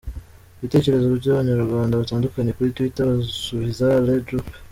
Ibitekerezo by’abanyarwanda batandukanye kuri twitter basubiza Alain Juppé.